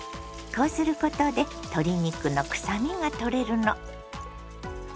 こうすることで鶏肉のくさみが取れるの。